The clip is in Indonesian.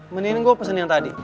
mendingan gue pesan yang tadi